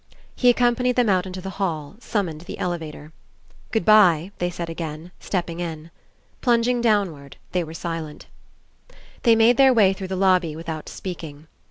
He accompanied them out into the hall, summoned the elevator. "Good bye," they said again, stepping in. Plunging downward they were silent. 75 PASSING They made their way through the lobby without speaking.